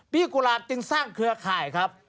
พี่กุหลาบจึงสร้างเครือข่าย